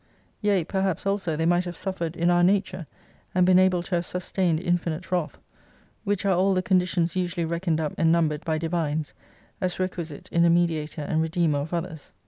Yea, perhaps also they might have suffered in our nature ; and been able to have sustained infinite wrath ; which are all the conditions usually reckoned up and numbered by Divines, as requisite in a Mediator and Redeemer of others.